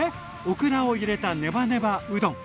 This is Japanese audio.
オクラを入れたネバネバうどん。